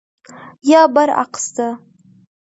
یا برعکس ده.